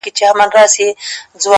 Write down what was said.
په مسجد او په مندر کي را ايثار دی _